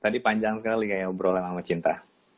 tadi panjang sekali ya ngobrol sama cinta